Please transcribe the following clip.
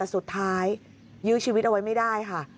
สุดท้ายยื้อชีวิตเอาไว้ไม่ได้ค่ะ